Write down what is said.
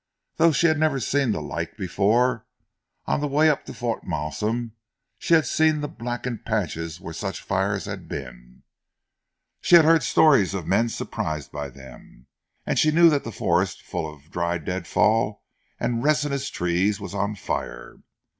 Though she had never seen the like before, on the way up to Fort Malsun, she had seen the blackened patches where such fires had been. She had heard stories of men surprised by them, and she knew that the forest full of dry deadfall and resinous trees, was on fire.